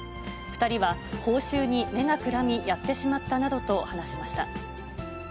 ２人は報酬に目がくらみ、やってしまったなどと話しました。